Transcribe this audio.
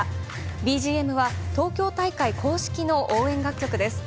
ＢＧＭは東京大会公式の応援楽曲です。